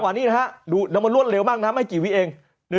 แค่ดูน้ำมันรวดเร็วมากนะไหล่กี่วิเอง